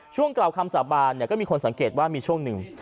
กล่าวคำสาบานก็มีคนสังเกตว่ามีช่วงหนึ่ง